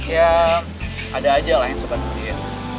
ya ada aja lah yang suka sama dia